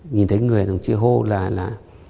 nhìn thấy người đồng chí hô là